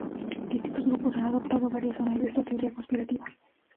Distintos grupos han adoptado variaciones de esta teoría conspirativa.